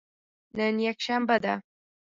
نن یکشنبه ده